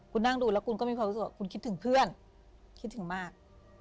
คุณนั่งดูแล้วคุณก็มีความรู้สึกว่าคุณคิดถึงเพื่อนคิดถึงมาก